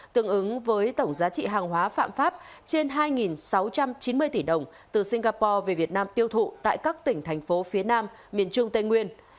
tương ứng với tổng giá trị hàng hóa phạm pháp trên hai sáu trăm chín mươi tỷ đồng từ singapore về việt nam tiêu thụ tại các tỉnh thành phố phía nam miền trung tây nguyên